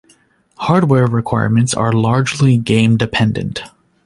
Hardware requirements are largely game-dependent.